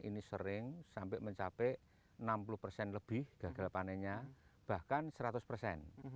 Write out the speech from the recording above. ini sering sampai mencapai enam puluh persen lebih gagal panennya bahkan seratus persen